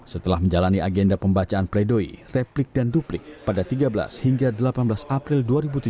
setelah menjalani agenda pembacaan pledoi replik dan duplik pada tiga belas hingga delapan belas april dua ribu tujuh belas